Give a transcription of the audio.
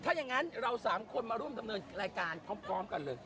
ถ้าอย่างนั้นเรา๓คนมาร่วมดำเนินรายการพร้อมกันเลย